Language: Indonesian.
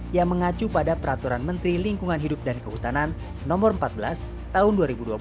yang mengacu pada peraturan menteri lingkungan hidup dan kehutanan no empat belas tahun dua ribu dua puluh